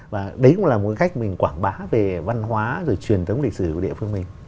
và đấy cũng là một cách mình quảng bá về văn hóa rồi truyền thống lịch sử của địa phương mình